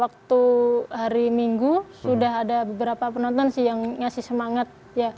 waktu hari minggu sudah ada beberapa penonton sih yang ngasih semangat